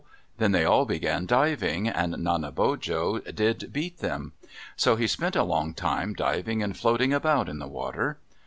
Then they all began diving, and Nanebojo did beat them. So he spent a long time diving and floating about in the water.